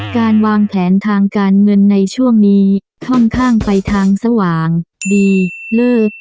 การวางแผนทางการเงินในช่วงนี้ค่อนข้างไปทางสว่างดีเลิศ